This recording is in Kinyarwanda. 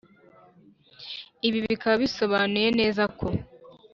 Ibi bikaba bisobanuye neza ko